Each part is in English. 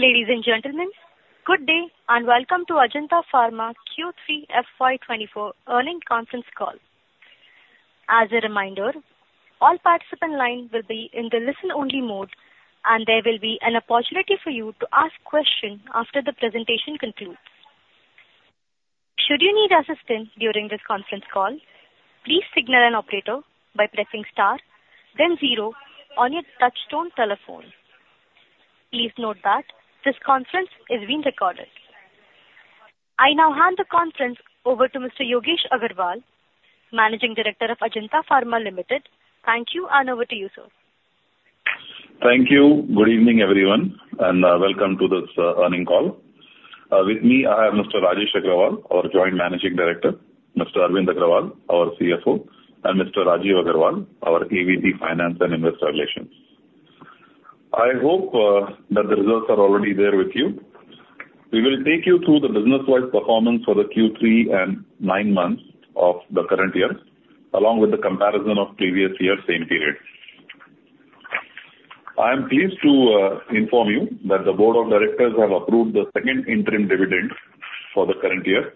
Ladies and gentlemen, good day, and welcome to Ajanta Pharma Q3 FY 2024 Earnings Conference Call. As a reminder, all participant lines will be in the listen-only mode, and there will be an opportunity for you to ask questions after the presentation concludes. Should you need assistance during this conference call, please signal an operator by pressing star then zero on your touchtone telephone. Please note that this conference is being recorded. I now hand the conference over to Mr. Yogesh Agrawal, Managing Director of Ajanta Pharma Limited. Thank you, and over to you, sir. Thank you. Good evening, everyone, and welcome to this Earnings Call. With me, I have Mr. Rajesh Agrawal, our Joint Managing Director, Mr. Arvind Agrawal, our CFO, and Mr. Rajeev Agrawal, our AVP, Finance and Investor Relations. I hope that the results are already there with you. We will take you through the business-wide performance for the Q3 and nine months of the current year, along with the comparison of previous year same period. I am pleased to inform you that the Board of Directors have approved the second interim dividend for the current year.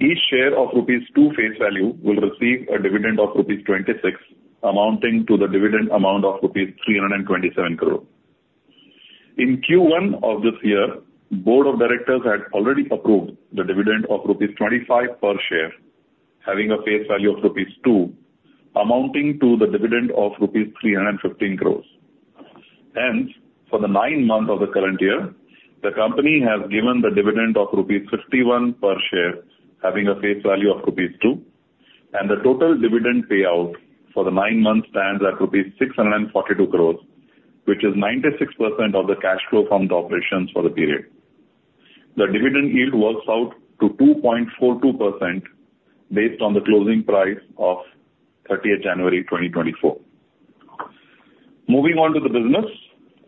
Each share of rupees 2 face value will receive a dividend of rupees 26, amounting to the dividend amount of rupees 327 crore. In Q1 of this year, Board of Directors had already approved the dividend of rupees 25 per share, having a face value of rupees 2, amounting to the dividend of rupees 315 crores. Hence, for the nine months of the current year, the company has given the dividend of rupees 51 per share, having a face value of rupees 2, and the total dividend payout for the nine months stands at rupees 642 crores, which is 96% of the cash flow from the operations for the period. The dividend yield works out to 2.42% based on the closing price of 30th January 2024. Moving on to the business,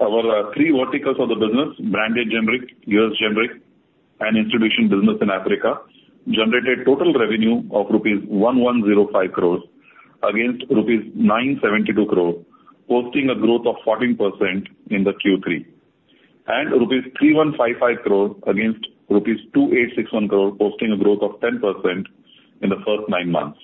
our 3 verticals of the business, Branded Generic, U.S. Generic, and Institution Business in Africa, generated total revenue of INR 1,105 crores against INR 972 crore, posting a growth of 14% in the Q3. Rupees 3,155 crores against rupees 2,861 crore, posting a growth of 10% in the first nine months.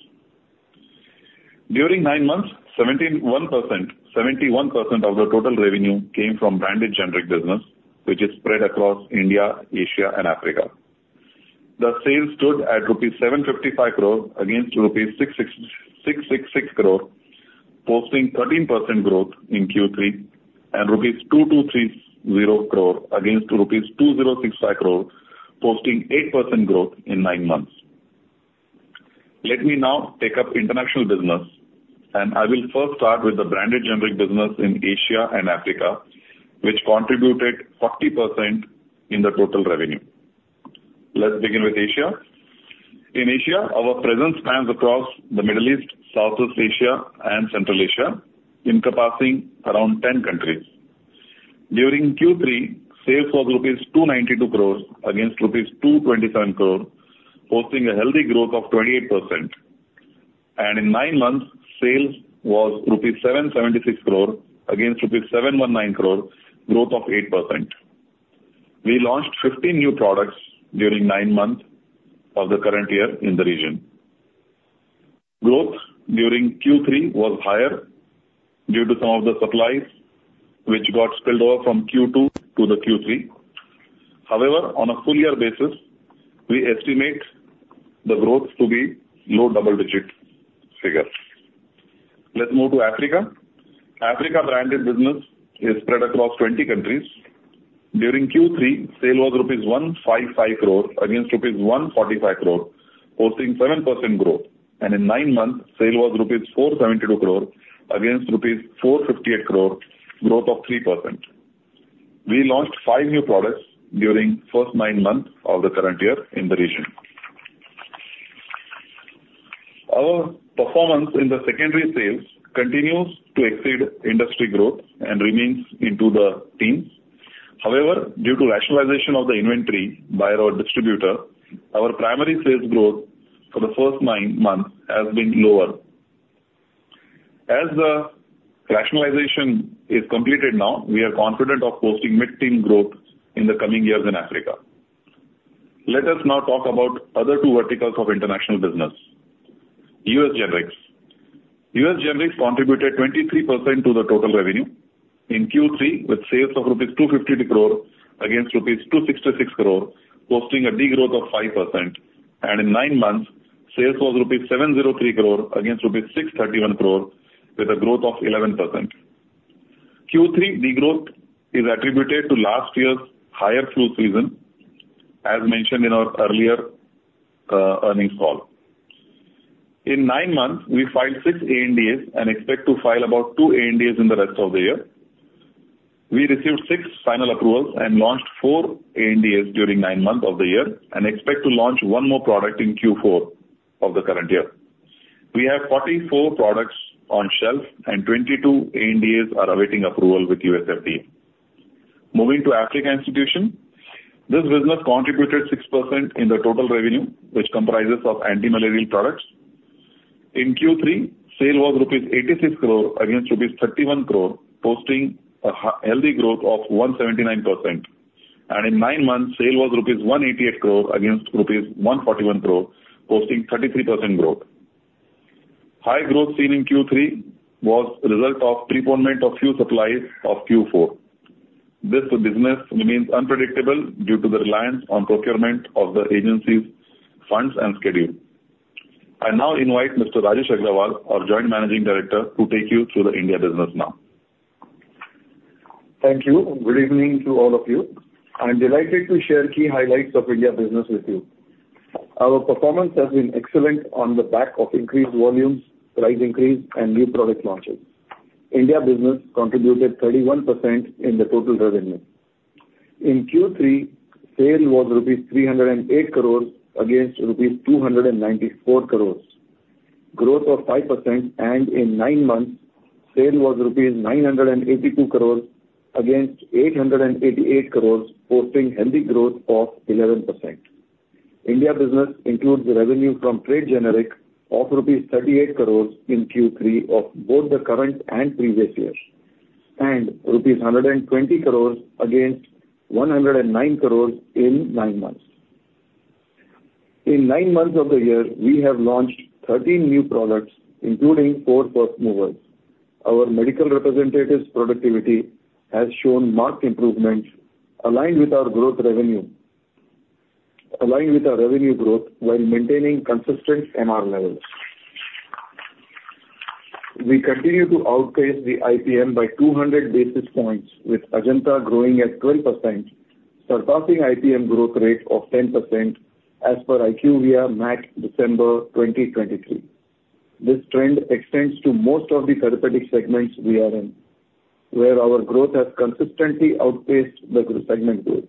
During nine months, 71%, 71% of the total revenue came from Branded Generic business, which is spread across India, Asia, and Africa. The sales stood at INR 755 crore against INR 666 crore, posting 13% growth in Q3, and INR 2,230 crore against INR 2,065 crore, removed 8% growth in nine months. Let me now take up international business, and I will first start with the Branded Generic business in Asia and Africa, which contributed 40% in the total revenue. Let's begin with Asia. In Asia, our presence spans across the Middle East, Southeast Asia, and Central Asia, encompassing around 10 countries. During Q3, sales was rupees 292 crore against rupees 227 crore, posting a healthy growth of 28%. In nine months, sales was rupees 776 crore against rupees 719 crore, growth of 8%. We launched 15 new products during nine months of the current year in the region. Growth during Q3 was higher due to some of the supplies which got spilled over from Q2 to the Q3. However, on a full year basis, we estimate the growth to be low double-digit figures. Let's move to Africa. Africa. Branded business is spread across 20 countries. During Q3, sales were rupees 155 crore against rupees 145 crore, posting 7% growth. In nine months, sales were rupees 472 crore against rupees 458 crore, growth of 3%. We launched five new products during first nine months of the current year in the region. Our performance in the secondary sales continues to exceed industry growth and remains into the teens. However, due to rationalization of the inventory by our distributor, our primary sales growth for the first nine months has been lower. As the rationalization is completed now, we are confident of posting mid-teen growth in the coming years in Africa. Let us now talk about other two verticals of international business. US Generics. US Generics contributed 23% to the total revenue in Q3, with sales of rupees 252 crore against rupees 266 crore, posting a degrowth of 5%. In nine months, sales was rupees 703 crore against rupees 631 crore, with a growth of 11%. Q3 degrowth is attributed to last year's higher flu season, as mentioned in our earlier earnings call. In nine months, we filed 6 ANDAs and expect to file about 2 ANDAs in the rest of the year. We received 6 final approvals and launched 4 ANDAs during nine months of the year, and expect to launch one more product in Q4 of the current year. We have 44 products on shelf, and 22 ANDAs are awaiting approval with USFDA. Moving to Africa institutional, this business contributed 6% in the total revenue, which comprises of anti-malarial products. In Q3, sale was rupees 86 crore against rupees 31 crore, posting a healthy growth of 179%. In nine months, sale was rupees 188 crore against rupees 141 crore, posting 33% growth. High growth seen in Q3 was a result of postponement of few supplies of Q4. This business remains unpredictable due to the reliance on procurement of the agency's funds and schedule. I now invite Mr. Rajesh Agrawal, our Joint Managing Director, to take you through the India business now. Thank you. Good evening to all of you. I'm delighted to share key highlights of India business with you. Our performance has been excellent on the back of increased volumes, price increase, and new product launches. India business contributed 31% in the total revenue. In Q3, sale was rupees 308 crore against rupees 294 crore, growth of 5%, and in nine months, sale was rupees 982 crore against 888 crore, posting healthy growth of 11%. India business includes the revenue from trade generic of rupees 38 crore in Q3 of both the current and previous years, and rupees 120 crore against 109 crore in nine months. In nine months of the year, we have launched 13 new products, including 4 first movers. Our medical representatives' productivity has shown marked improvement, aligned with our revenue growth, while maintaining consistent MR levels. We continue to outpace the IPM by 200 basis points, with Ajanta growing at 12%, surpassing IPM growth rate of 10%, as per IQVIA Match, December 2023. This trend extends to most of the therapeutic segments we are in, where our growth has consistently outpaced the segment growth.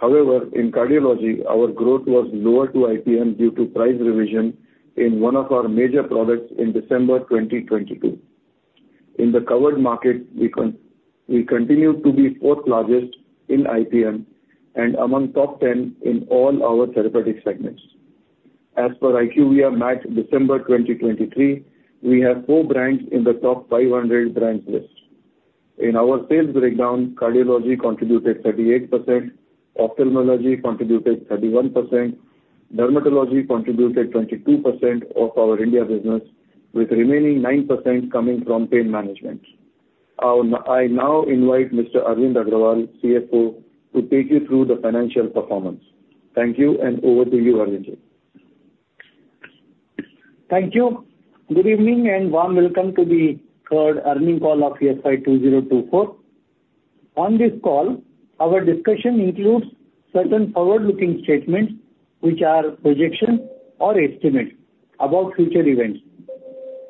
However, in cardiology, our growth was lower to IPM due to price revision in one of our major products in December 2022. In the covered market, we continue to be 4th largest in IPM and among top 10 in all our therapeutic segments. As per IQVIA Match, December 2023, we have 4 brands in the top 500 brands list. In our sales breakdown, cardiology contributed 38%, ophthalmology contributed 31%, dermatology contributed 22% of our India business, with remaining 9% coming from pain management. I now invite Mr. Arvind Agrawal, CFO, to take you through the financial performance. Thank you, and over to you, Arvindji. Thank you. Good evening, and warm welcome to the third earnings call of FY 2024. On this call, our discussion includes certain forward-looking statements which are projections or estimates about future events.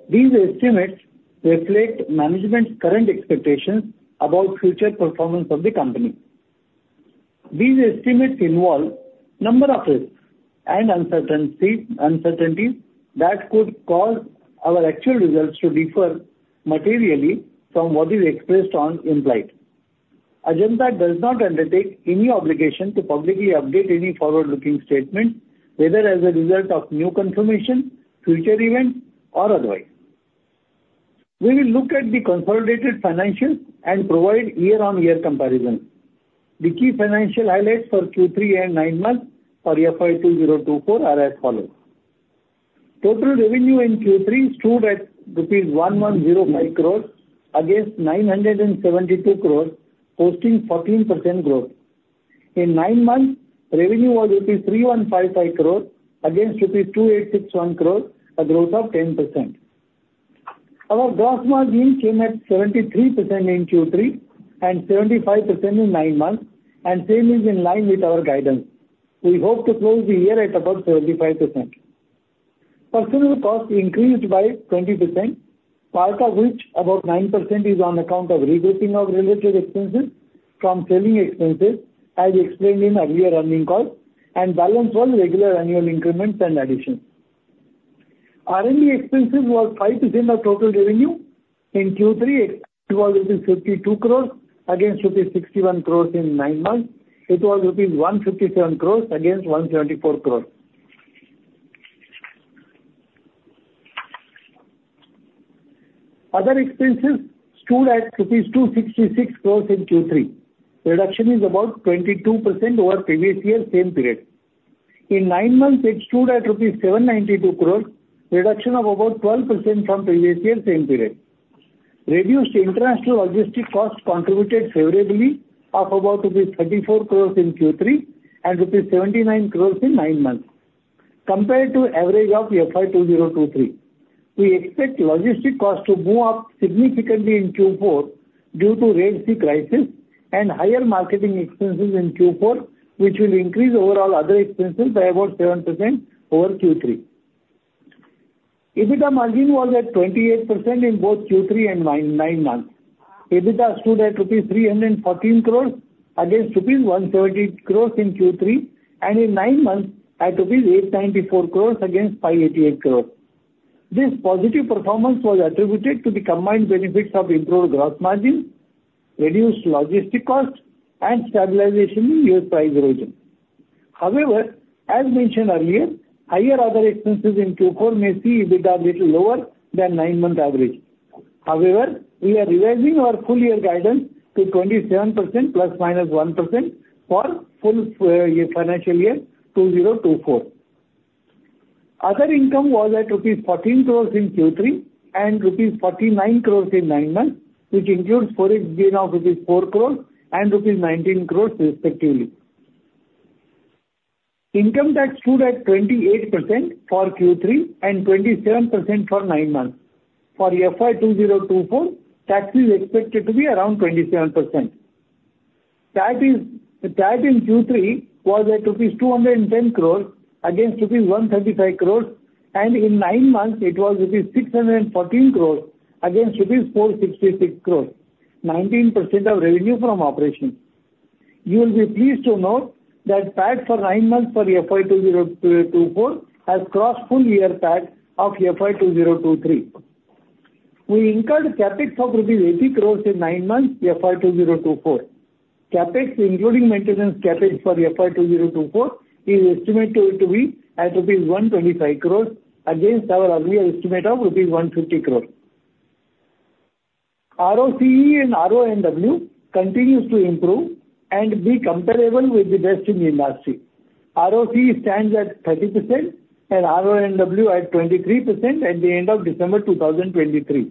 These estimates reflect management's current expectations about future performance of the company. These estimates involve number of risks and uncertainty, uncertainties that could cause our actual results to differ materially from what is expressed or implied. Ajanta does not undertake any obligation to publicly update any forward-looking statement, whether as a result of new confirmation, future events, or otherwise. We will look at the consolidated financials and provide year-on-year comparison. The key financial highlights for Q3 and nine months for FY 2024 are as follows: Total revenue in Q3 stood at rupees 1,105 crores against 972 crores, posting 14% growth. In nine months, revenue was rupees 3,155 crores against rupees 2,861 crores, a growth of 10%. Our gross margin came at 73% in Q3 and 75% in nine months, and same is in line with our guidance. We hope to close the year at about 75%. Personnel cost increased by 20%, part of which, about 9%, is on account of re-basing of related expenses from selling expenses, as explained in earlier earnings call, and balance on regular annual increments and additions. R&D expenses were 5% of total revenue. In Q3, it was rupees 52 crores against rupees 61 crores. In nine months, it was rupees 157 crores against 174 crores. Other expenses stood at INR 266 crores in Q3. Reduction is about 22% over previous year same period. In 9 months, it stood at rupees 792 crores, reduction of about 12% from previous year same period. Reduced international logistic costs contributed favorably of about rupees 34 crores in Q3 and rupees 79 crores in 9 months, compared to average of FY 2023. We expect logistic costs to move up significantly in Q4 due to Red Sea crisis and higher marketing expenses in Q4, which will increase overall other expenses by about 7% over Q3. EBITDA margin was at 28% in both Q3 and 9 months. EBITDA stood at INR 314 crores against INR 130 crores in Q3, and in 9 months, at INR 894 crores against INR 588 crores. This positive performance was attributed to the combined benefits of improved gross margin, reduced logistic costs, and stabilization in US price erosion. However, as mentioned earlier, higher other expenses in Q4 may see EBITDA little lower than nine-month average. However, we are revising our full year guidance to 27% ±1% for full year financial year 2024. Other income was at INR 14 crore in Q3 and INR 49 crore in nine months, which includes Forex gain of INR 4 crore and INR 19 crore, respectively. Income tax stood at 28% for Q3 and 27% for nine months. For FY 2024, tax is expected to be around 27%. PAT in, the PAT in Q3 was at rupees 210 crore against rupees 135 crore, and in nine months it was rupees 614 crore against rupees 466 crore, 19% of revenue from operations. You will be pleased to note that PAT for 9 months for FY 2024 has crossed full year PAT of FY 2023. We incurred CapEx of INR 8 crores in 9 months, FY 2024. CapEx, including maintenance CapEx for FY 2024, is estimated to be at rupees 125 crores against our earlier estimate of rupees 150 crores. ROCE and RONW continues to improve and be comparable with the best in the industry. ROCE stands at 30% and RONW at 23% at the end of December 2023.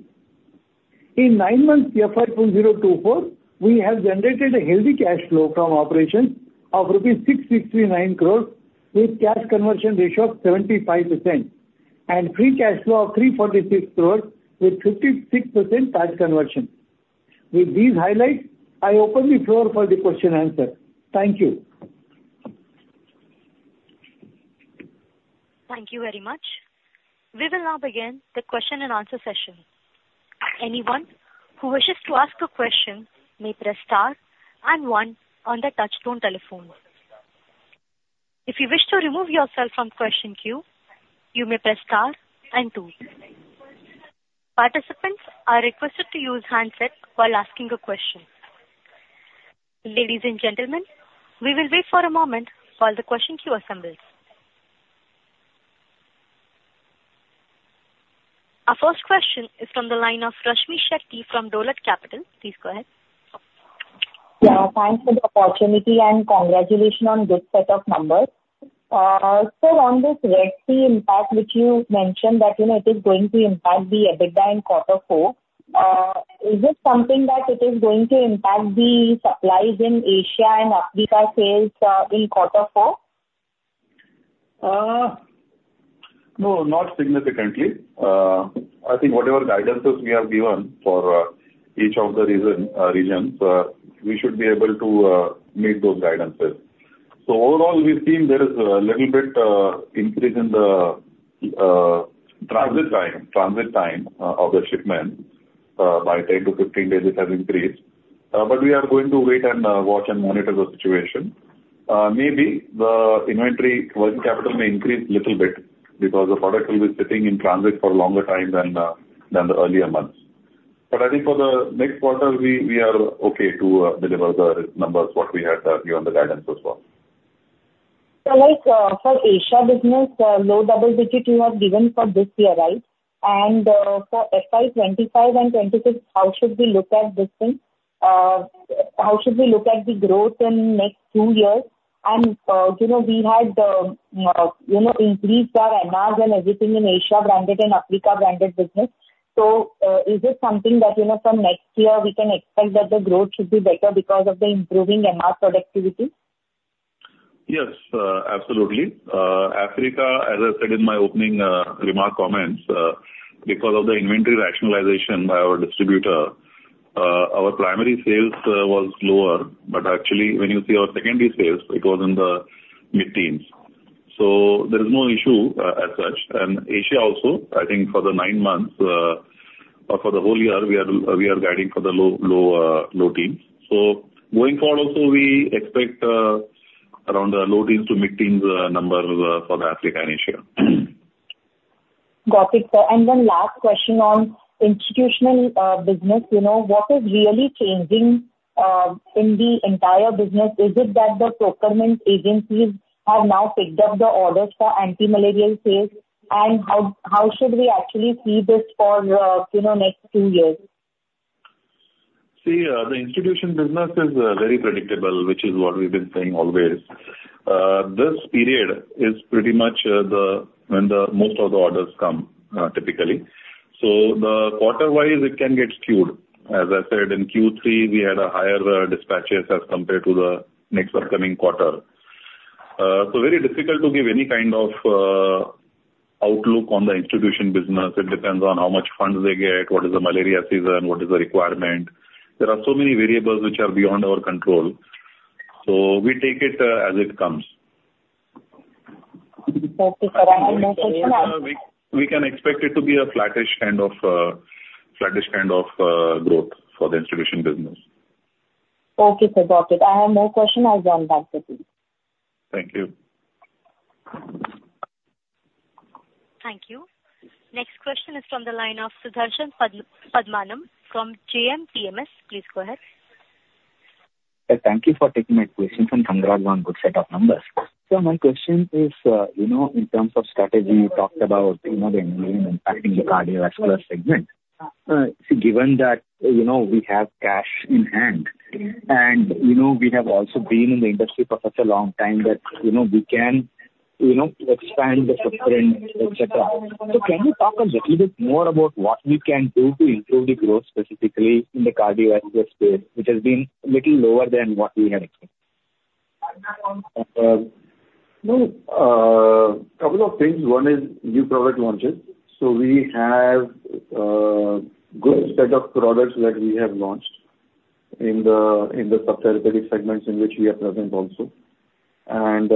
In 9 months, FY 2024, we have generated a healthy cash flow from operations of 669 crores rupees, with cash conversion ratio of 75%, and free cash flow of 346 crores with 56% cash conversion. With these highlights, I open the floor for the question answer. Thank you. Thank you very much. We will now begin the question and answer session. Anyone who wishes to ask a question may press star and one on the touchtone telephone. If you wish to remove yourself from question queue, you may press star and two. Participants are requested to use handset while asking a question. Ladies and gentlemen, we will wait for a moment while the question queue assembles. Our first question is from the line of Rashmi Shetty from Dolat Capital. Please go ahead. Yeah, thanks for the opportunity, and congratulations on this set of numbers. So on this Red Sea impact, which you mentioned, that, you know, it is going to impact the EBITDA in quarter four, is this something that it is going to impact the supplies in Asia and Africa sales in quarter four? No, not significantly. I think whatever guidances we have given for each of the regions we should be able to meet those guidances. So overall, we've seen there is a little bit increase in the transit time of the shipments by 10-15 days it has increased. But we are going to wait and watch and monitor the situation. Maybe the inventory working capital may increase little bit because the product will be sitting in transit for a longer time than the earlier months. But I think for the next quarter, we are okay to deliver the numbers what we had given the guidance as well. So like, for Asia business, low double digit you have given for this year, right? And, for FY 2025 and 2026, how should we look at this thing? How should we look at the growth in next two years? And, you know, we had, you know, increased our MR and everything in Asia branded and Africa branded business. So, is it something that, you know, from next year we can expect that the growth should be better because of the improving MR productivity? Yes, absolutely. Africa, as I said in my opening remark comments, because of the inventory rationalization by our distributor, our primary sales was lower, but actually, when you see our secondary sales, it was in the mid-teens. So there is no issue as such. And Asia also, I think for the 9 months or for the whole year, we are guiding for the low-teens. So going forward also, we expect around the low-teens to mid-teens numbers for Africa and Asia. Got it, sir. And then last question on institutional business, you know, what is really changing in the entire business? Is it that the procurement agencies have now picked up the orders for anti-malarial sales? And how should we actually see this for, you know, next two years? See, the institution business is very predictable, which is what we've been saying always. This period is pretty much the when most of the orders come typically. So the quarter-wise, it can get skewed. As I said, in Q3, we had a higher dispatches as compared to the next upcoming quarter. So very difficult to give any kind of outlook on the institution business. It depends on how much funds they get, what is the malaria season, what is the requirement. There are so many variables which are beyond our control, so we take it as it comes. Okay, sir. I have no question- We can expect it to be a flattish kind of growth for the institution business. Okay, sir. Got it. I have no question. I'll join back with you. Thank you.... Thank you. Next question is from the line of Sudarshan Padmanabhan from JM PMS. Please go ahead. Thank you for taking my question from JM PMS. One good set of numbers. So my question is, you know, in terms of strategy, you talked about, you know, the main impacting the cardiovascular segment. So given that, you know, we have cash in hand, and, you know, we have also been in the industry for such a long time that, you know, we can, you know, expand the footprint, et cetera. So can you talk a little bit more about what we can do to improve the growth, specifically in the cardiovascular space, which has been a little lower than what we had expected? No, couple of things. One is new product launches. So we have good set of products that we have launched in the, in the sub-therapeutic segments in which we are present also. And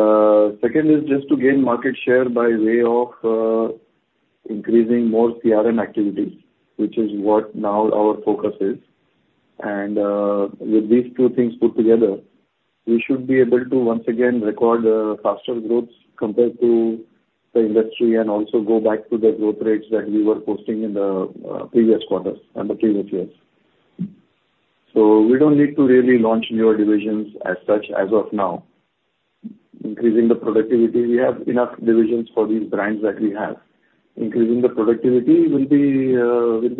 second is just to gain market share by way of increasing more CRM activities, which is what now our focus is. And with these two things put together, we should be able to once again record faster growth compared to the industry and also go back to the growth rates that we were posting in the previous quarters and the previous years. So we don't need to really launch newer divisions as such as of now. Increasing the productivity, we have enough divisions for these brands that we have. Increasing the productivity will be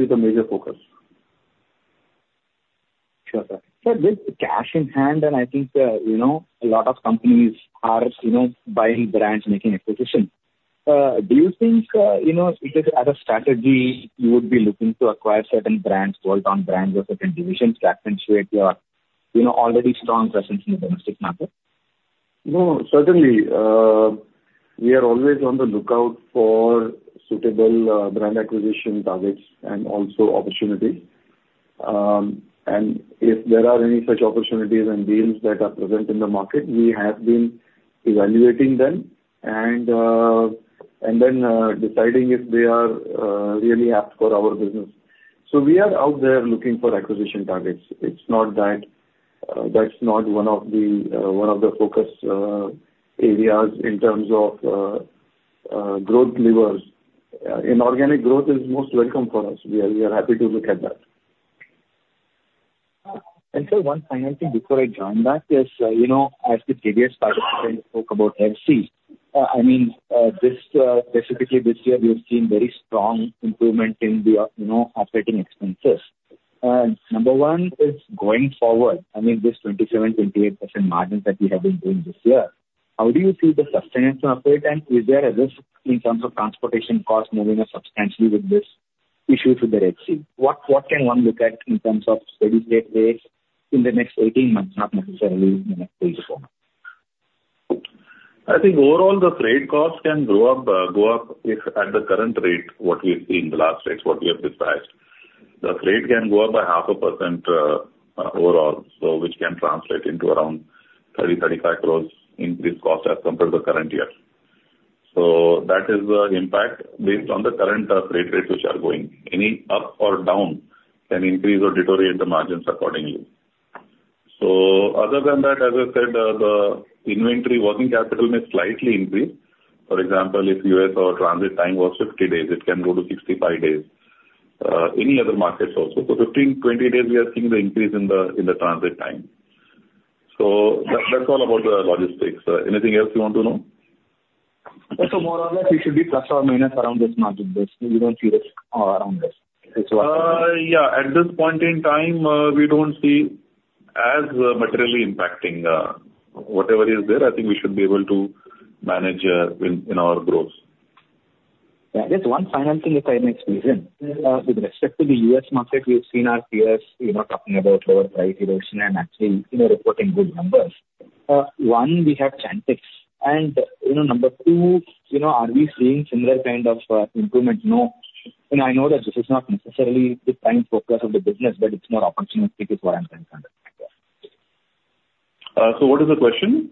the major focus. Sure, sir. So with cash in hand, and I think, you know, a lot of companies are, you know, buying brands, making acquisitions. Do you think, you know, if as a strategy, you would be looking to acquire certain brands, well-known brands or certain divisions to accentuate your, you know, already strong presence in the domestic market? No, certainly, we are always on the lookout for suitable, brand acquisition targets and also opportunities. If there are any such opportunities and deals that are present in the market, we have been evaluating them and, and then, deciding if they are, really apt for our business. So we are out there looking for acquisition targets. It's not that, that's not one of the, one of the focus, areas in terms of, growth levers. Inorganic growth is most welcome for us. We are, we are happy to look at that. So one final thing before I join that is, you know, as the previous speaker spoke about FC, I mean, this, specifically this year, we have seen very strong improvement in the, you know, operating expenses. Number one, is going forward, I mean, this 27%-28% margins that we have been doing this year, how do you see the sustainability of it, and is there a risk in terms of transportation costs moving substantially with this issue to the Red Sea? What, what can one look at in terms of steady-state rates in the next 18 months, not necessarily in the next three to four months? I think overall, the freight costs can go up, go up if at the current rate, what we have seen in the last rates, what we have discussed. The freight can go up by 0.5%, overall, so which can translate into around 30-35 crore increase cost as compared to the current year. So that is the impact based on the current, freight rates which are going. Any up or down can increase or deteriorate the margins accordingly. So other than that, as I said, the inventory working capital may slightly increase. For example, if US our transit time was 50 days, it can go to 65 days, any other markets also. So 15-20 days, we are seeing the increase in the transit time. So that's all about the logistics. Anything else you want to know? More or less, it should be ± around this margin base. You don't see risk around this. Yeah, at this point in time, we don't see as materially impacting whatever is there. I think we should be able to manage in our growth. Yeah, just one final thing if I may squeeze in. With respect to the U.S. market, we've seen our peers, you know, talking about lower price erosion and actually, you know, reporting good numbers. One, we have Chantix, and, you know, number two, you know, are we seeing similar kind of improvement, no? And I know that this is not necessarily the prime focus of the business, but it's more opportunistic is what I'm trying to understand. So what is the question?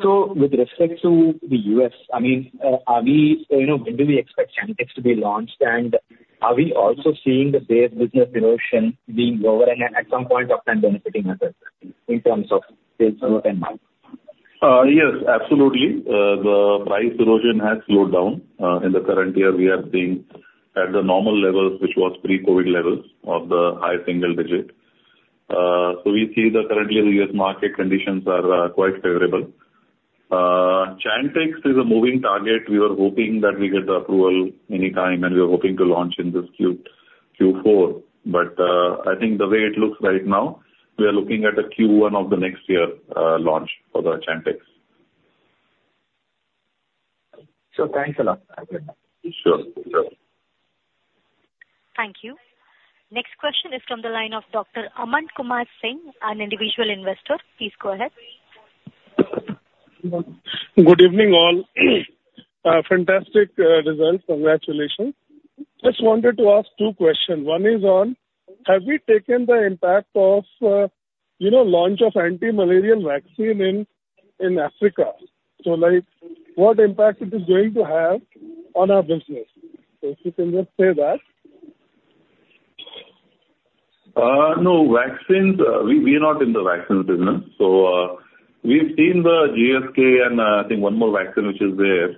With respect to the U.S., I mean, are we... You know, when do we expect Chantix to be launched? And are we also seeing the base business erosion being lower and at some point of time benefiting us as well in terms of sales growth and margin? Yes, absolutely. The price erosion has slowed down. In the current year, we are seeing at the normal levels, which was pre-COVID levels of the high single digit. So we see that currently the U.S. market conditions are quite favorable. Chantix is a moving target. We are hoping that we get the approval anytime, and we are hoping to launch in this Q4. But I think the way it looks right now, we are looking at a Q1 of the next year launch for the Chantix. Thanks a lot. Sure. Sure. Thank you. Next question is from the line of Dr. Aman Kumar Singh, an individual investor. Please go ahead. Good evening, all. Fantastic results. Congratulations. Just wanted to ask two questions. One is on, have we taken the impact of, you know, launch of anti-malarial vaccine in Africa? So like, what impact it is going to have on our business? So if you can just say that. ... No, vaccines, we, we are not in the vaccines business. So, we've seen the GSK and, I think one more vaccine which is there.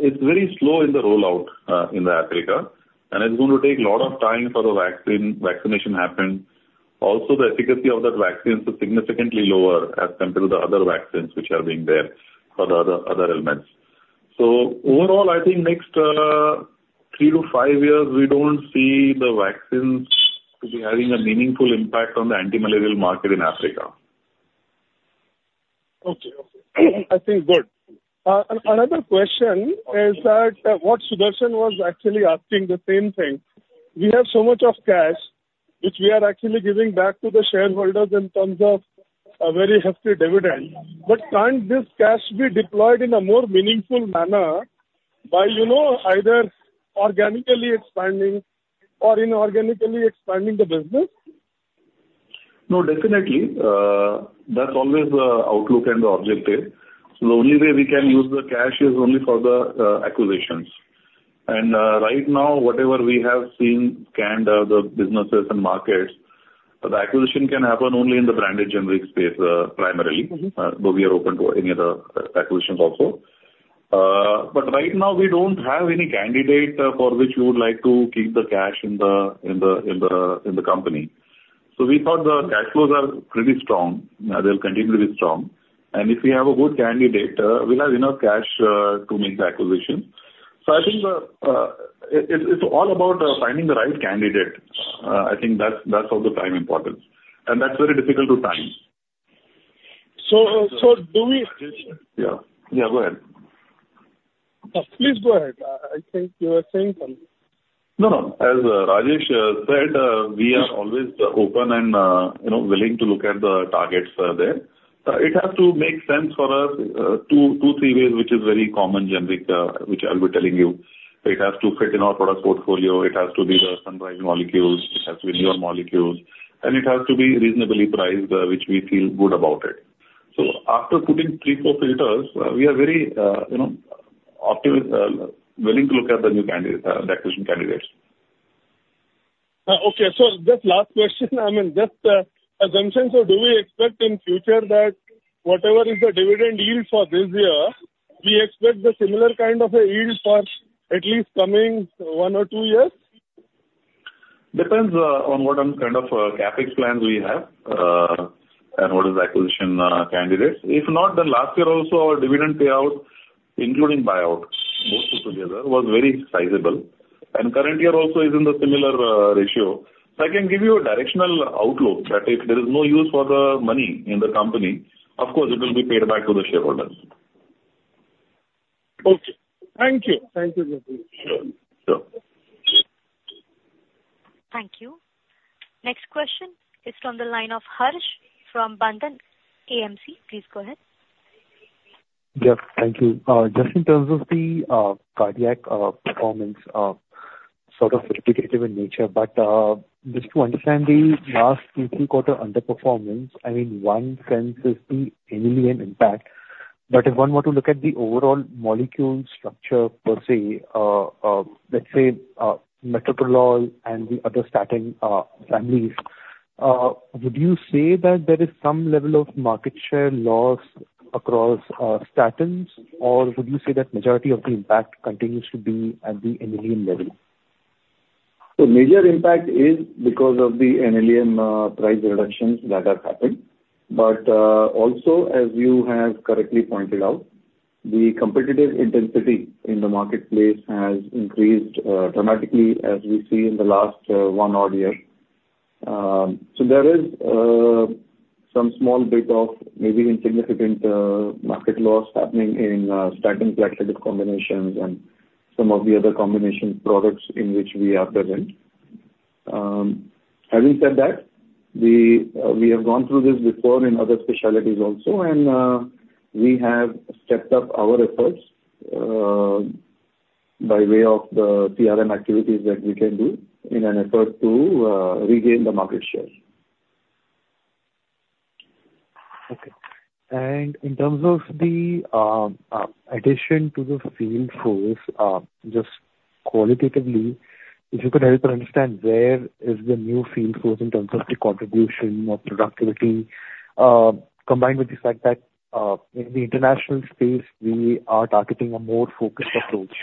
It's very slow in the rollout, in the Africa, and it's going to take a lot of time for the vaccine, vaccination happen. Also, the efficacy of that vaccine is significantly lower as compared to the other vaccines which are being there for the other, other elements. So overall, I think next, 3-5 years, we don't see the vaccines to be having a meaningful impact on the anti-malarial market in Africa. Okay, I think good. Another question is that what Sudarshan was actually asking the same thing. We have so much cash, which we are actually giving back to the shareholders in terms of a very hefty dividend. But can't this cash be deployed in a more meaningful manner by, you know, either organically expanding or inorganically expanding the business? No, definitely. That's always the outlook and the objective. The only way we can use the cash is only for the acquisitions. Right now, whatever we have seen, scanned, the businesses and markets, the acquisition can happen only in the branded generic space, primarily. Mm-hmm. But we are open to any other acquisitions also. But right now, we don't have any candidate for which we would like to keep the cash in the company. So we thought the cash flows are pretty strong, they'll continue to be strong. And if we have a good candidate, we'll have enough cash to make the acquisition. So I think it's all about finding the right candidate. I think that's of the time important, and that's very difficult to time. So, do we- Yeah. Yeah, go ahead. Please go ahead. I think you were saying something. No, no. As Rajesh said, we are always open and, you know, willing to look at the targets there. It has to make sense for us 2-3 ways, which is very common generic, which I'll be telling you. It has to fit in our product portfolio, it has to be the sunrise molecules, it has to be newer molecules, and it has to be reasonably priced, which we feel good about it. So after putting 3-4 filters, we are very, you know, willing to look at the new candidate, the acquisition candidates. Okay. So just last question, I mean, just, assumptions, so do we expect in future that whatever is the dividend yield for this year, we expect the similar kind of a yield for at least coming one or two years? Depends on what kind of CapEx plans we have, and what is the acquisition candidates. If not, then last year also, our dividend payout, including buyout, both together, was very sizable. And current year also is in the similar ratio. So I can give you a directional outlook, that if there is no use for the money in the company, of course, it will be paid back to the shareholders. Okay. Thank you. Thank you, Jitendra. Sure. Sure. Thank you. Next question is from the line of Harsh from Bandhan AMC. Please go ahead. Yes, thank you. Just in terms of the, cardiac, performance, sort of repetitive in nature, but, just to understand the last 2, 3 quarter underperformance, I mean, one senses the NLEM impact. But if one were to look at the overall molecule structure per se, let's say, metoprolol and the other statin, families, would you say that there is some level of market share loss across, statins? Or would you say that majority of the impact continues to be at the NLEM level? So major impact is because of the NLEM, price reductions that have happened. But, also, as you have correctly pointed out, the competitive intensity in the marketplace has increased, dramatically as we see in the last, one odd year. So there is, some small bit of maybe insignificant, market loss happening in, statin plus combinations and some of the other combination products in which we are present. Having said that, we, we have gone through this before in other specialties also, and, we have stepped up our efforts, by way of the CRM activities that we can do in an effort to, regain the market share. Okay. In terms of the addition to the field force, just qualitatively, if you could help to understand where is the new field force in terms of the contribution or productivity, combined with the fact that in the international space, we are targeting a more focused approach.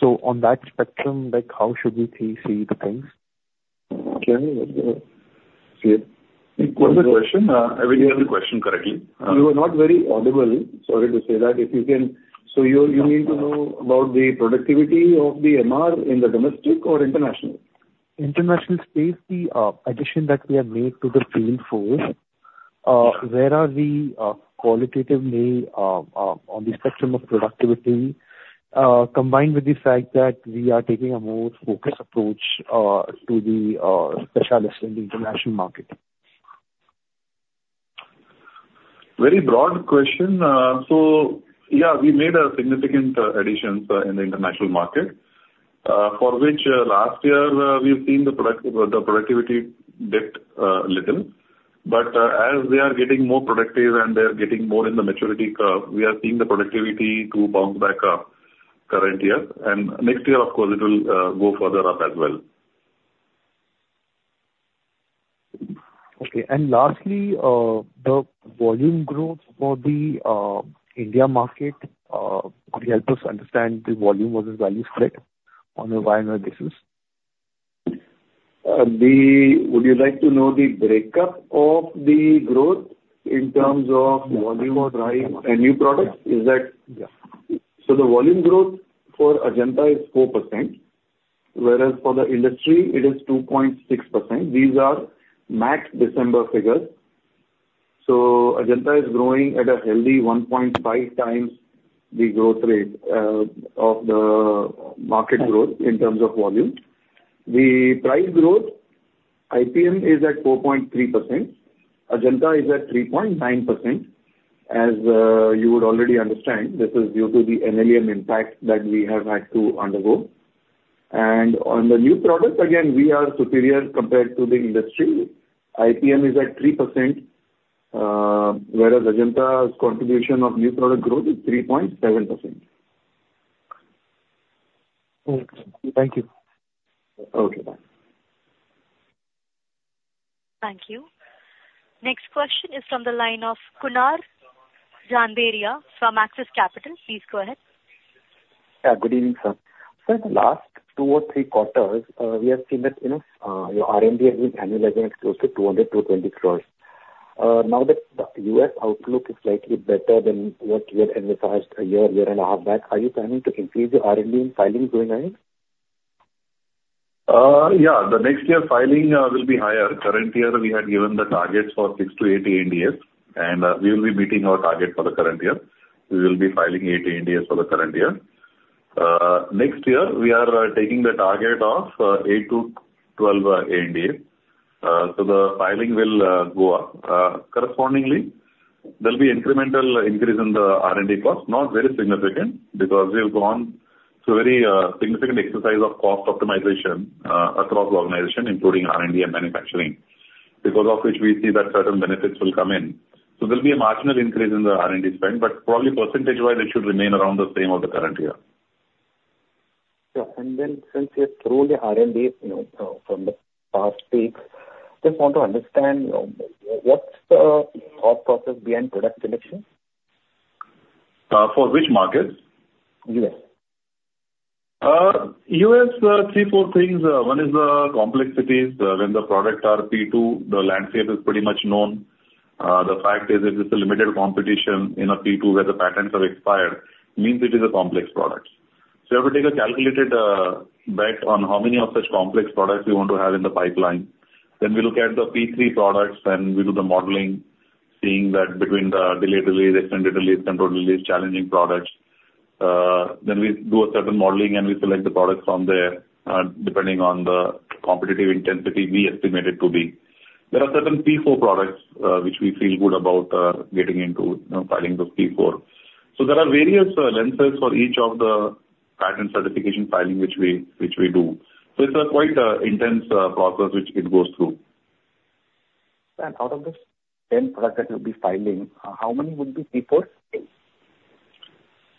So on that spectrum, like, how should we think, see the things? Okay. What's the question? I didn't hear the question correctly. You were not very audible. Sorry to say that, if you can... So you need to know about the productivity of the MR in the domestic or international? International space, the addition that we have made to the field force, where are we on the spectrum of productivity, combined with the fact that we are taking a more focused approach to the specialists in the international market. Very broad question. So yeah, we made a significant additions in the international market, for which last year we've seen the productivity dipped little. But as we are getting more productive and they're getting more in the maturity curve, we are seeing the productivity to bounce back up... current year, and next year, of course, it will go further up as well. Okay. And lastly, the volume growth for the India market, could you help us understand the volume versus value spread on a Y1 basis? Would you like to know the breakup of the growth in terms of volume or price? And new products, is that- Yeah. So the volume growth for Ajanta is 4%, whereas for the industry it is 2.6%. These are MAT December figures. So Ajanta is growing at a healthy 1.5 times the growth rate of the market growth- Right. In terms of volume. The price growth, IPM, is at 4.3%. Ajanta is at 3.9%. As you would already understand, this is due to the NLEM impact that we have had to undergo. And on the new products, again, we are superior compared to the industry. IPM is at 3%, whereas Ajanta's contribution of new product growth is 3.7%. Okay. Thank you. Okay, bye. Thank you. Next question is from the line of Kunal Randeria, from Axis Capital. Please go ahead. Yeah, good evening, sir. So the last two or three quarters, we have seen that, you know, your R&D has been annualizing close to INR 200-220 crore. Now that the US outlook is slightly better than what you had emphasized a year, a year and a half back, are you planning to increase your R&D and filing going ahead? Yeah, the next year filing will be higher. Current year, we had given the targets for 6-8 ANDAs, and we will be meeting our target for the current year. We will be filing 8 ANDAs for the current year. Next year, we are taking the target of 8-12 ANDAs. So the filing will go up. Correspondingly, there'll be incremental increase in the R&D cost, not very significant, because we have gone through a very significant exercise of cost optimization across the organization, including R&D and manufacturing. Because of which we see that certain benefits will come in. So there'll be a marginal increase in the R&D spend, but probably percentage-wise, it should remain around the same of the current year. Yeah. Since you've thrown the R&D, you know, from the past weeks, just want to understand, what's the thought process behind product selection? For which markets? US. U.S., three, four things. One is the complexities. When the products are P2, the landscape is pretty much known. The fact is, it is a limited competition in a P2 where the patents have expired, means it is a complex product. So you have to take a calculated bet on how many of such complex products you want to have in the pipeline. Then we look at the P3 products, and we do the modeling, seeing that between the delayed release, extended release, controlled release, challenging products. Then we do a certain modeling, and we select the products from there, depending on the competitive intensity we estimate it to be. There are certain P4 products, which we feel good about, getting into, you know, filing those P4. There are various paragraphs for each of the patent certification filing, which we do. It's a quite intense process which it goes through. Out of this 10 products that you'll be filing, how many would be P4?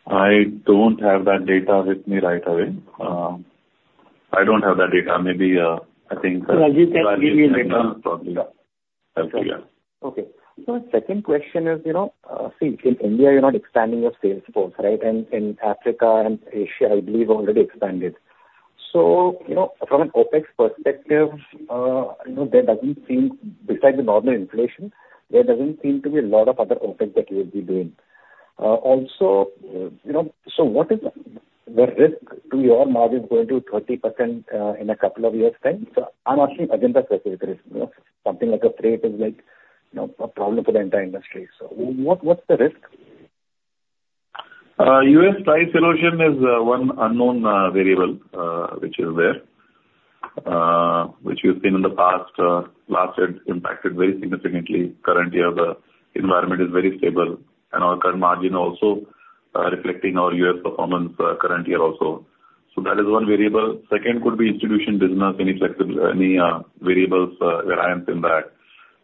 I don't have that data with me right away. I don't have that data. Maybe, I think that- Rajeev can give you later. Probably, yeah. Okay. So the second question is, you know, see, in India, you're not expanding your sales force, right? And in Africa and Asia, I believe, already expanded. So, you know, from an OpEx perspective, you know, there doesn't seem, besides the normal inflation, there doesn't seem to be a lot of other OpEx that you will be doing. Also, you know, so what is the risk to your margin going to 30%, in a couple of years' time? So I'm asking Ajanta specific risk, you know, something like a trade is like, you know, a problem for the entire industry. So what, what's the risk? U.S. price erosion is one unknown variable which is there, which we've seen in the past. Last year it impacted very significantly. Currently, the environment is very stable, and our current margin also reflecting our U.S. performance, current year also. So that is one variable. Second could be institution business, any flexible, any variables, variance in that.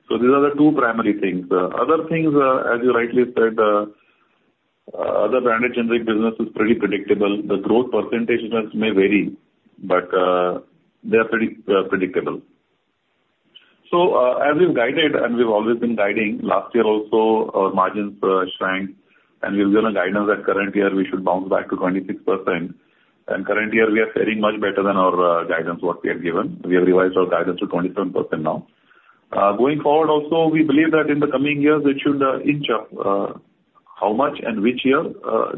So these are the two primary things. Other things, as you rightly said, other branded generic business is pretty predictable. The growth percentages may vary, but they are pretty predictable. So, as we've guided, and we've always been guiding, last year also, our margins shrank, and we've given a guidance that current year we should bounce back to 26%. Current year, we are faring much better than our guidance what we have given. We have revised our guidance to 27% now. Going forward also, we believe that in the coming years, it should inch up. How much and which year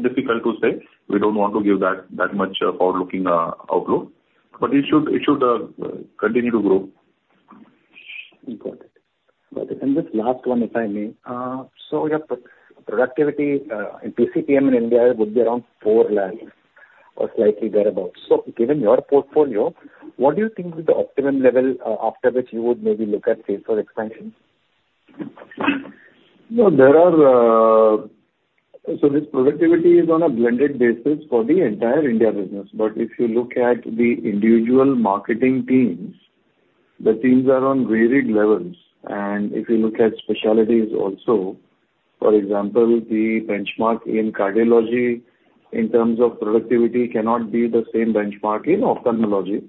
difficult to say. We don't want to give that much forward-looking outlook, but it should continue to grow. Got it. Got it. And just last one, if I may. So your productivity in PCPM in India would be around 4 lakh or slightly thereabouts. So given your portfolio, what do you think is the optimum level after which you would maybe look at sales or expansion? You know, there are. So this productivity is on a blended basis for the entire India business. But if you look at the individual marketing teams. The teams are on varied levels, and if you look at specialties also, for example, the benchmark in cardiology in terms of productivity cannot be the same benchmark in ophthalmology,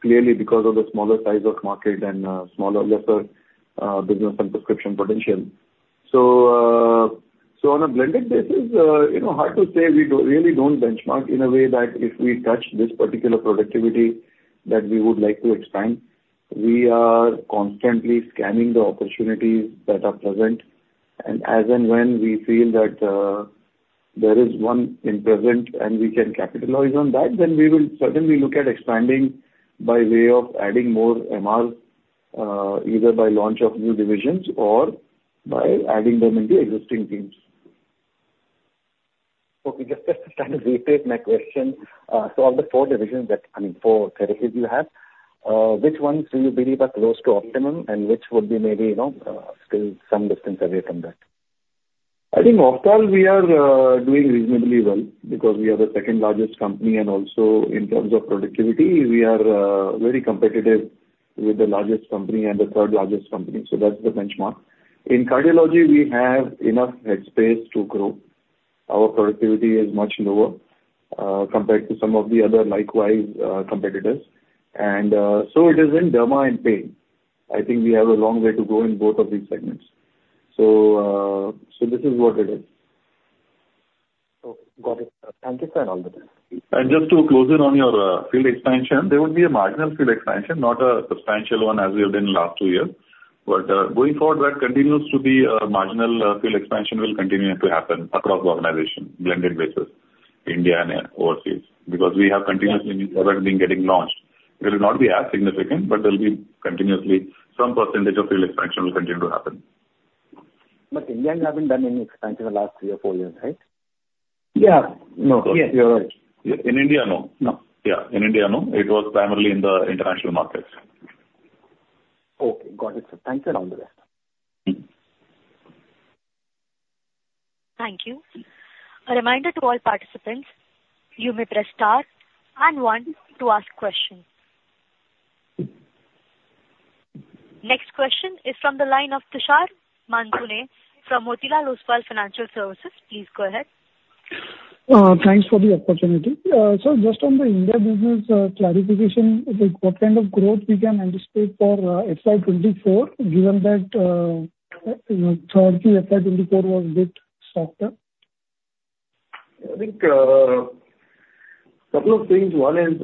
clearly because of the smaller size of market and smaller, lesser business and prescription potential. So, so on a blended basis, you know, hard to say, we really don't benchmark in a way that if we touch this particular productivity, that we would like to expand. We are constantly scanning the opportunities that are present, and as and when we feel that, there is one in present and we can capitalize on that, then we will certainly look at expanding by way of adding more MR, either by launch of new divisions or by adding them into existing teams. Okay, just kind of rephrase my question. So of the four divisions that, I mean, four therapies you have, which ones do you believe are close to optimum, and which would be maybe, you know, still some distance away from that? I think overall, we are doing reasonably well because we are the second largest company, and also in terms of productivity, we are very competitive with the largest company and the third largest company, so that's the benchmark. In cardiology, we have enough head space to grow. Our productivity is much lower compared to some of the other likewise competitors. And so it is in derma and pain. I think we have a long way to go in both of these segments. So, so this is what it is. Okay, got it. Thank you, sir, and all the best. Just to close in on your field expansion, there would be a marginal field expansion, not a substantial one as we have done in the last two years. But going forward, that continues to be a marginal field expansion will continue to happen across the organization, blended basis, India and overseas. Because we have continuously product being getting launched. It will not be as significant, but there will be continuously some percentage of field expansion will continue to happen. India, you haven't done any expansion in the last 3 or 4 years, right? Yeah. No. Yes, you're right. In India, no. No. Yeah, in India, no. It was primarily in the international markets. Okay, got it, sir. Thank you, and all the best. Thank you. A reminder to all participants, you may press star and one to ask questions. Next question is from the line of Tushar Manudhane from Motilal Oswal Financial Services. Please go ahead. Thanks for the opportunity. So just on the India business, clarification, like, what kind of growth we can anticipate for FY 2024, given that, you know, currently, FY 2024 was a bit softer? I think, couple of things. One is,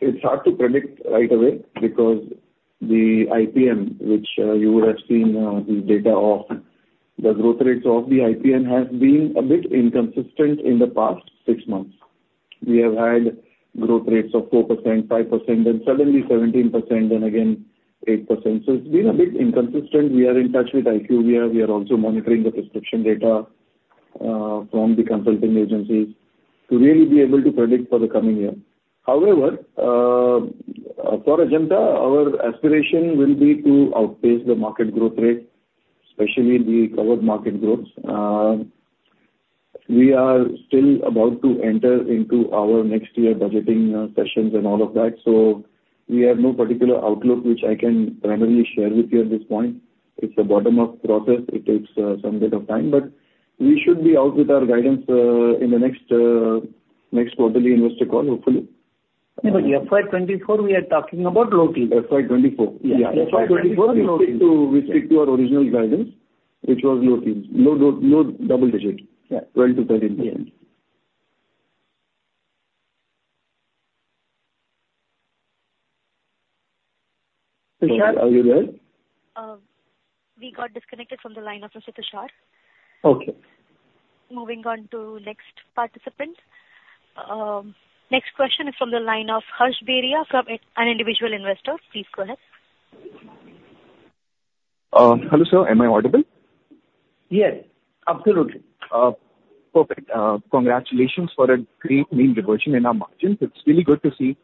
it's hard to predict right away because the IPM, which you would have seen, the data of the growth rates of the IPM, has been a bit inconsistent in the past six months. We have had growth rates of 4%, 5%, then suddenly 17%, then again, 8%. So it's been a bit inconsistent. We are in touch with IQVIA. We are also monitoring the prescription data from the consulting agencies to really be able to predict for the coming year. However, for Ajanta, our aspiration will be to outpace the market growth rate, especially in the covered market growths. We are still about to enter into our next year budgeting sessions and all of that, so we have no particular outlook, which I can primarily share with you at this point. It's a bottom-up process. It takes some bit of time, but we should be out with our guidance in the next quarterly investor call, hopefully. Yeah, but FY 2024, we are talking about low teens. FY 2024 Yeah. Yeah, FY 2024, we stick to, we stick to our original guidance, which was low teens. Low, low, low double digits. Yeah. 12%-13%. Yeah. Tushar, are you there? We got disconnected from the line of Mr. Tushar. Okay. Moving on to next participant. Next question is from the line of Harsh Beria from an individual investor. Please go ahead. Hello, sir, am I audible? Yes, absolutely. Perfect. Congratulations for a great mean reversion in our margins. It's really good to see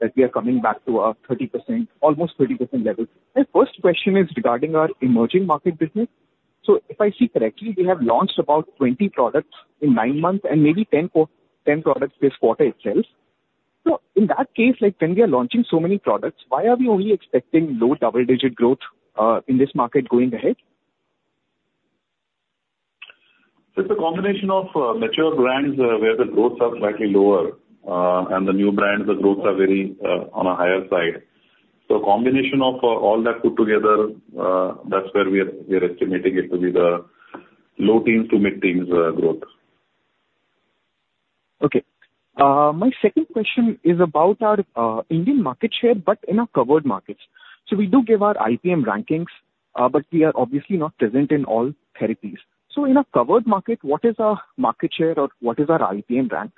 that we are coming back to our 30%, almost 30% level. My first question is regarding our emerging market business. So if I see correctly, we have launched about 20 products in 9 months and maybe 10 products this quarter itself. So in that case, like, when we are launching so many products, why are we only expecting low double-digit growth in this market going ahead? It's a combination of mature brands, where the growths are slightly lower, and the new brands, the growths are very on a higher side. So combination of all that put together, that's where we are, we are estimating it to be the low teens to mid-teens growth. Okay. My second question is about our Indian market share, but in our covered markets. So we do give our IPM rankings, but we are obviously not present in all therapies. So in our covered market, what is our market share or what is our IPM rank?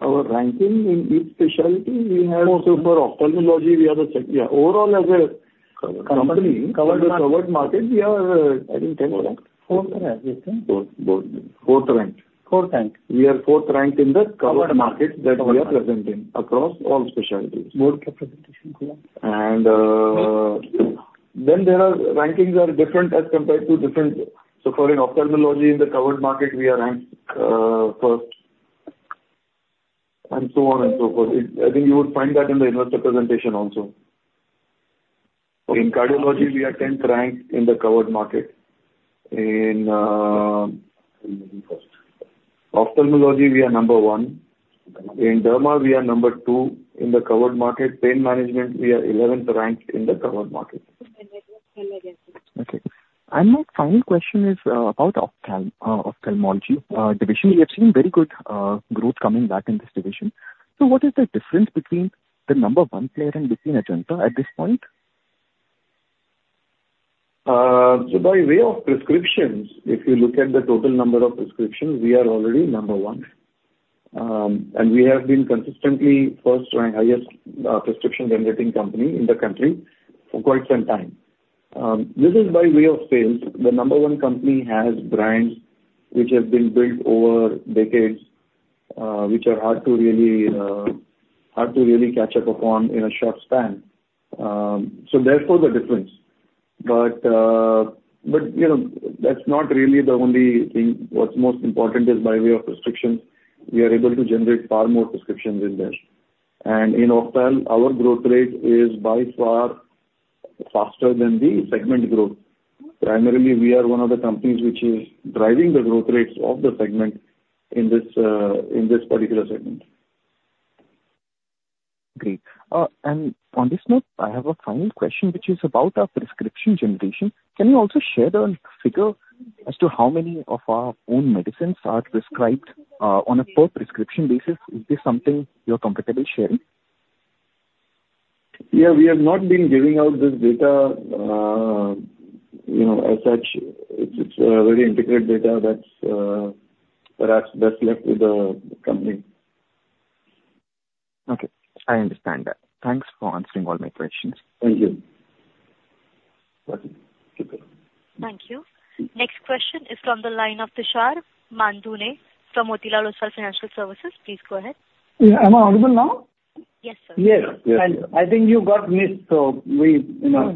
Our ranking in each specialty, we have- For ophthalmology, we are the second. Yeah. Overall, as a company- Covered market. In the covered market, we are, I think tenth, right? Fourth, I think. Fourth, fourth, fourth rank. Fourth rank. We are fourth rank in the covered market- Covered market... that we are present in across all specialties. More representation. Then there are rankings are different as compared to different. So for in ophthalmology, in the covered market, we are ranked first, and so on and so forth. I think you would find that in the investor presentation also. In cardiology, we are tenth ranked in the covered market. In ophthalmology, we are number one. In derma, we are number two in the covered market. Pain management, we are eleventh ranked in the covered market. Okay. My final question is about ophthalmology division. We are seeing very good growth coming back in this division. What is the difference between the number one player and Ajanta at this point? So by way of prescriptions, if you look at the total number of prescriptions, we are already number one. And we have been consistently first or highest prescription-generating company in the country for quite some time. This is by way of sales. The number one company has brands which have been built over decades, which are hard to really, hard to really catch up upon in a short span. So therefore the difference. But, but, you know, that's not really the only thing. What's most important is by way of prescriptions, we are able to generate far more prescriptions than this. And in ophthalmology, our growth rate is by far faster than the segment growth. Primarily, we are one of the companies which is driving the growth rates of the segment in this, in this particular segment. Great. And on this note, I have a final question, which is about our prescription generation. Can you also share the figure as to how many of our own medicines are prescribed on a per prescription basis? Is this something you're comfortable sharing? Yeah. We have not been giving out this data. You know, as such, it's a very intricate data that's perhaps best left with the company. Okay, I understand that. Thanks for answering all my questions. Thank you. Thank you. Next question is from the line of Tushar Manudhane from Motilal Oswal Financial Services. Please go ahead. Am I audible now? Yes, sir. Yes, and I think you got missed, so we...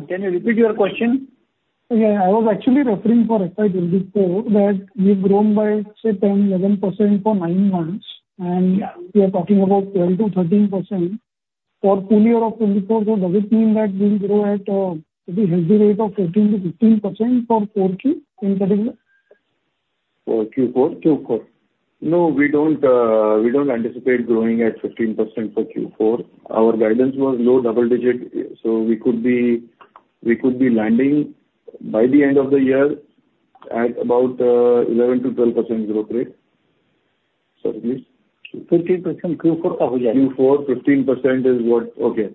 Can you repeat your question? Yeah. I was actually referring for FY 2024, that you've grown by, say, 10%-11% for nine months, and we are talking about 12%-13% for full year of 2024. So does it mean that we'll grow at a pretty healthy rate of 14%-15% for Q4 in particular? For Q4? Q4. No, we don't, we don't anticipate growing at 15% for Q4. Our guidance was low double digit, so we could be, we could be landing by the end of the year at about, 11%-12% growth rate. Sorry, please? 15%, Q4. Q4, 15% is what... Okay.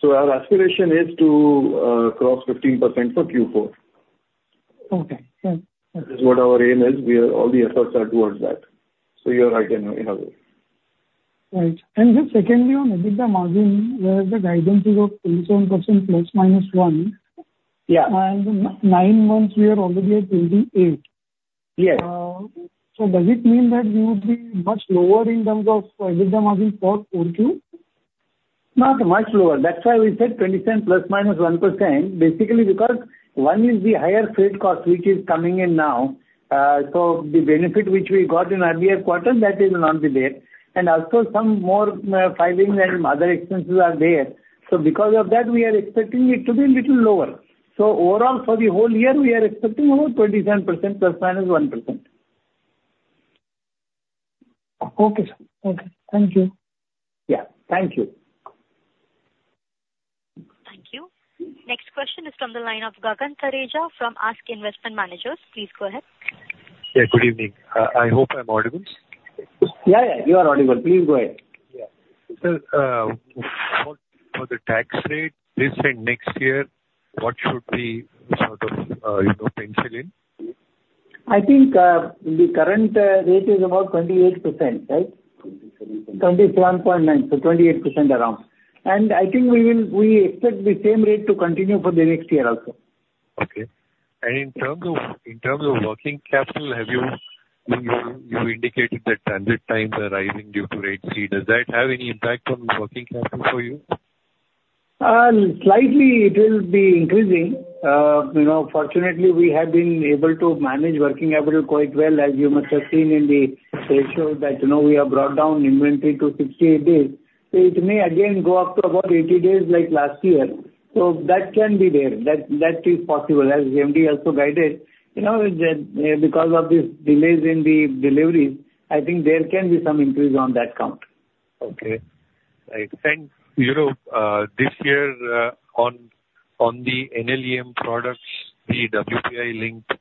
So our aspiration is to cross 15% for Q4. Okay. Sure. This is what our aim is. All the efforts are towards that. So you are right in having. Right. And then secondly, on EBITDA margin, where the guidance is of 27% ±1- Yeah. Nine months, we are already at 28. Yes. So, does it mean that you would be much lower in terms of EBITDA margin for Q4? Not much lower. That's why we said 27 ± 1%. Basically, because one is the higher freight cost, which is coming in now. So the benefit which we got in earlier quarter, that will not be there. And also some more, filings and some other expenses are there. So because of that, we are expecting it to be little lower. So overall, for the whole year, we are expecting over 27% ± 1%. Okay, sir. Okay. Thank you. Yeah, thank you. Thank you. Next question is from the line of Gagan Thareja from Ask Investment Managers. Please go ahead. Yeah, good evening. I hope I'm audible. Yeah, yeah, you are audible. Please go ahead. Yeah. So, for the tax rate this and next year, what should we sort of, you know, pencil in? I think, the current rate is about 28%, right? Twenty-seven. 27.9, so 28% around. I think we will, we expect the same rate to continue for the next year also. Okay. And in terms of working capital, have you indicated that transit times are rising due to Red Sea. Does that have any impact on working capital for you? Slightly, it will be increasing. You know, fortunately, we have been able to manage working capital quite well, as you must have seen in the ratio that, you know, we have brought down inventory to 68 days. So it may again go up to about 80 days, like last year. So that can be there. That is possible, as the MD also guided. You know, because of the delays in the deliveries, I think there can be some increase on that count. Okay. I think, you know, this year, on the NLEM products, the WPI-linked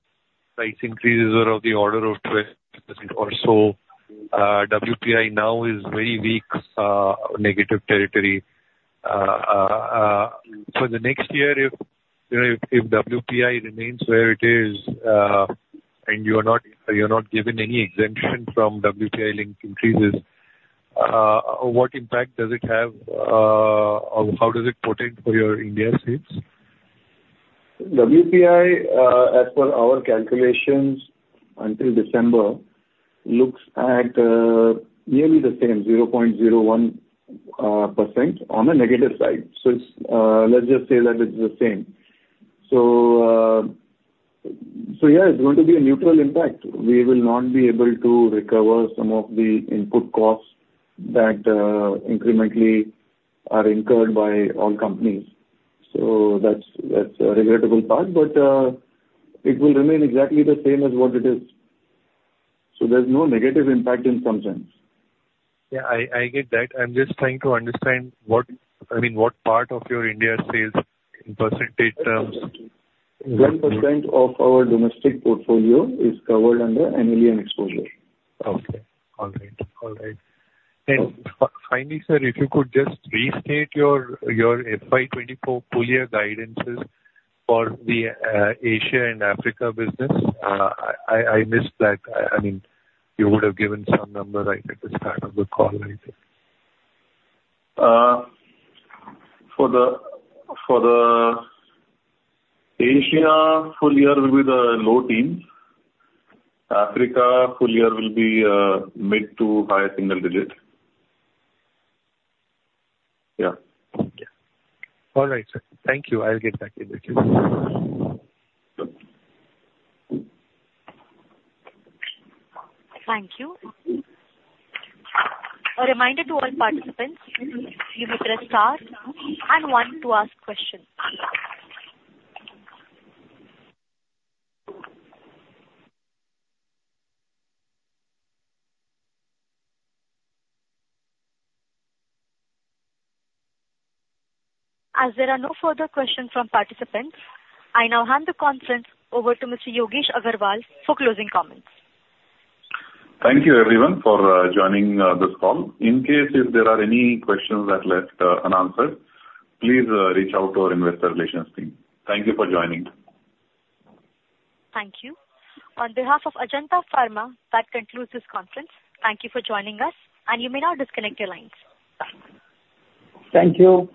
price increases are of the order of 12% or so. WPI now is very weak, negative territory. So the next year, if, you know, if WPI remains where it is, and you're not given any exemption from WPI link increases, what impact does it have, or how does it portend for your India sales? WPI, as per our calculations, until December looks like nearly the same, 0.01% on a negative side. So it's, let's just say that it's the same. So, so yeah, it's going to be a neutral impact. We will not be able to recover some of the input costs that incrementally are incurred by all companies. So that's, that's a regrettable part, but, it will remain exactly the same as what it is. So there's no negative impact in some sense. Yeah, I get that. I'm just trying to understand what, I mean, what part of your India sales in percentage terms? 1% of our domestic portfolio is covered under NLEM exposure. Okay. All right. All right. Finally, sir, if you could just restate your, your FY 2024 full year guidances for the Asia and Africa business. I missed that. I mean, you would have given some number right at the start of the call, I think. For the Asia full year will be the low teens. Africa full year will be mid to high single digits. Yeah. All right, sir. Thank you. I'll get back in touch. Thank you. A reminder to all participants, you may press star and one to ask questions. As there are no further questions from participants, I now hand the conference over to Mr. Yogesh Agrawal for closing comments. Thank you, everyone, for joining this call. In case if there are any questions that left unanswered, please reach out to our investor relations team. Thank you for joining. Thank you. On behalf of Ajanta Pharma, that concludes this conference. Thank you for joining us, and you may now disconnect your lines. Bye. Thank you.